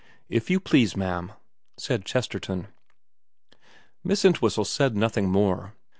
If you please, ma'am,' said Chesterton. Miss Entwhistle said nothing more.